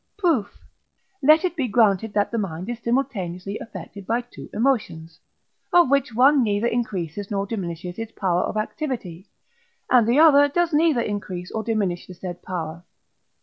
Proof. Let it be granted that the mind is simultaneously affected by two emotions, of which one neither increases nor diminishes its power of activity, and the other does either increase or diminish the said power (III.